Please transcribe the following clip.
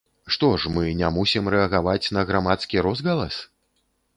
Што ж, мы не мусім рэагаваць на грамадскі розгалас?